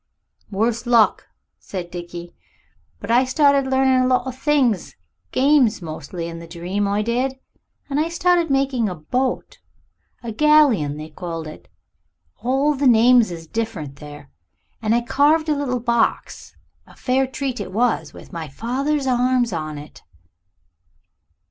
"Worse luck," said Dickie. "But I started learning a lot of things games mostly, in the dream, I did and I started making a boat a galleon they called it. All the names is different there. And I carved a little box a fair treat it was with my father's arms on it."